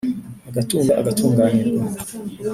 Agatunga agatunganirwa